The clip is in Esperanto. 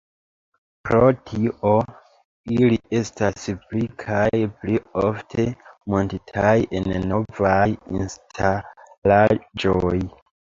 Pro tio ili estas pli kaj pli ofte muntitaj en novaj instalaĵoj.